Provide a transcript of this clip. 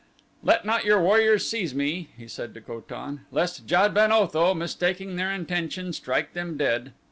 "Let not your warriors seize me," he said to Ko tan, "lest Jad ben Otho, mistaking their intention, strike them dead."